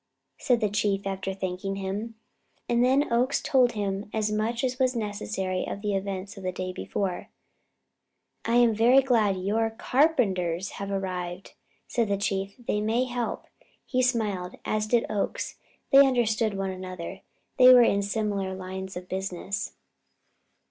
said the Chief, after thanking him. And then Oakes told him as much as was necessary of the events of the day before. "I am very glad your carpenters have arrived," said the Chief; "they may help." He smiled, as did Oakes. They understood one another they were in similar lines of business.